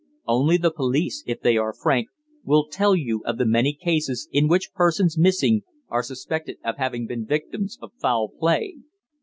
Only the police, if they are frank, will tell you of the many cases in which persons missing are suspected of having been victims of foul play.